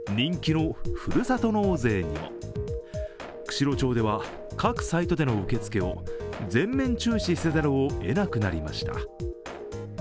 釧路町では各サイトでの受け付けを全面中止せざるをえなくなりました。